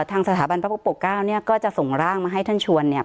ทางสถาบันพระพุทธปกเก้าเนี่ยก็จะส่งร่างมาให้ท่านชวนเนี่ย